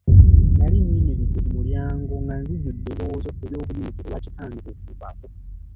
Nali nnyimiridde ku mulyango nga nzijudde ebirowoozo eby'obuyinike olwa kitange okunfaako.